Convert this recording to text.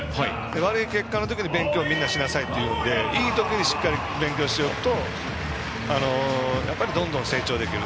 悪い結果の時には勉強はみんなしなさいと言うのでいい時、しっかり勉強するとやっぱりどんどん成長できる。